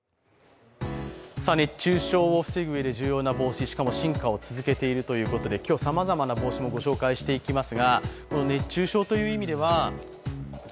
熱中症を防ぐ上で重要な帽子、しかも進化を続けているということで今日、さまざまな帽子もご紹介していきます。